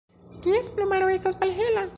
Ties plumaro estas malhela.